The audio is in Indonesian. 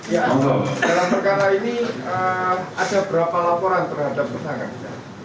ya dalam perkara ini ada beberapa laporan terhadap persangka kita